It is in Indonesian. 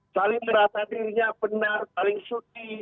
saling merasa dirinya benar saling syuti